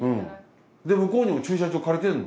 向こうにも駐車場借りてるの？